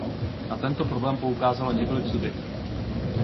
Na tento problém poukázalo několik subjektů.